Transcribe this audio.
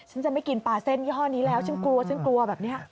ฉันจะไม่กินปลาเส้นยี่ห้อนี้แล้วฉันกลัวฉันกลัวแบบนี้